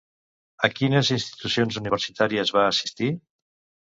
A quines institucions universitàries va assistir?